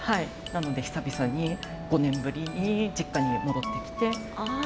なので久々に５年ぶりに実家に戻ってきて。